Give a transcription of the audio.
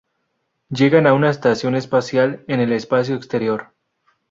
Llegan a una estación espacial en el espacio exterior.